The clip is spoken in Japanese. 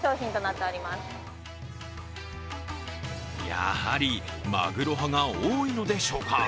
やはり、マグロ派が多いのでしょうか。